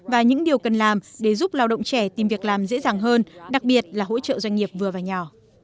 và những điều cần làm để giúp lao động trẻ tìm việc làm dễ dàng hơn đặc biệt là hỗ trợ doanh nghiệp vừa và nhỏ